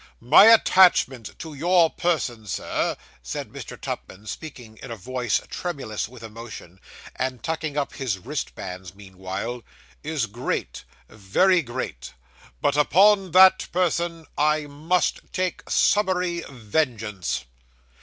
'My attachment to your person, sir,' said Mr. Tupman, speaking in a voice tremulous with emotion, and tucking up his wristbands meanwhile, 'is great very great but upon that person, I must take summary vengeance.